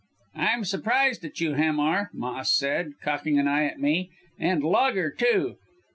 "'I'm surprised at you, Hamar,' Moss said, cocking an eye at me, 'and lager, too!'